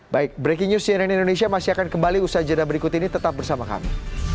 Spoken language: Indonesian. baik breaking news cnn indonesia masih akan kembali usaha jadwal berikut ini tetap bersama kami